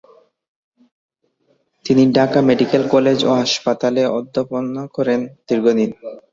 তিনি Dhaka medical college ও হাসপাতালে অধ্যাপনা করেন দীর্ঘদিন।